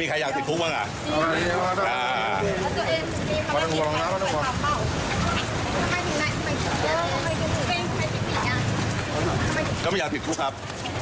ก็ไม่อยากติดคุกครับ